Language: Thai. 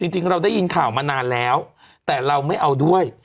จริงเราได้ยินข่าวมานานแล้วแต่เราไม่เอาด้วย